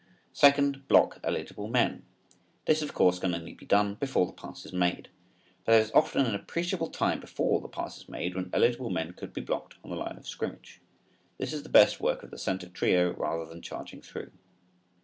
Second, block eligible men. This of course can only be done before the pass is made. But there is often an appreciable time before the pass is made when eligible men could be blocked on the line of scrimmage. This is the best work of the center trio rather than charging through.